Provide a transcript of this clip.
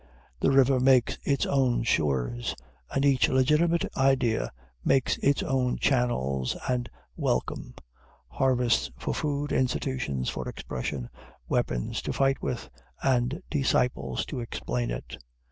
The river makes its own shores, and each legitimate idea makes its own channels and welcome harvests for food, institutions for expression, weapons to fight with, and disciples to explain it.